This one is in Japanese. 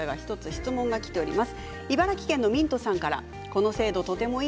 質問がきています。